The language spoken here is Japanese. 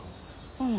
うん。